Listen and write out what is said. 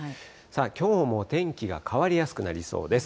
きょうも天気が変わりやすくなりそうです。